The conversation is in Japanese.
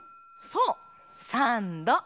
そう三度！